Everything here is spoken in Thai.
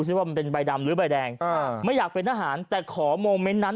สิว่ามันเป็นใบดำหรือใบแดงอ่าไม่อยากเป็นทหารแต่ขอโมเมนต์นั้น